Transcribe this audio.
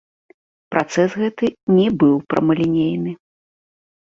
Працэс гэты не быў прамалінейны.